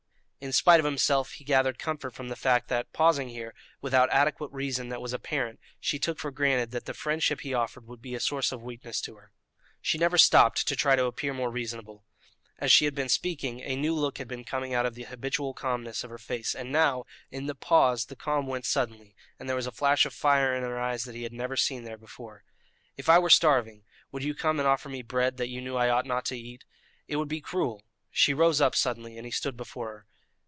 In spite of himself, he gathered comfort from the fact that, pausing here, without adequate reason that was apparent, she took for granted that the friendship he offered would be a source of weakness to her. She never stooped to try to appear reasonable. As she had been speaking, a new look had been coming out of the habitual calmness of her face, and now, in the pause, the calm went suddenly, and there was a flash of fire in her eyes that he had never seen there before: "If I were starving, would you come and offer me bread that you knew I ought not to eat? It would be cruel." She rose up suddenly, and he stood before her.